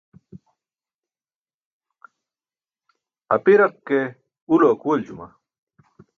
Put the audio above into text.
Apiraq ke, ulo akuwaljuma.